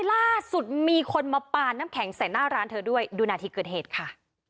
ล่าสุดมีคนมาปานน้ำแข็งใส่หน้าร้านเธอด้วยดูนาทีเกิดเหตุค่ะ